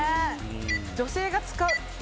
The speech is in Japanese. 女性が使う。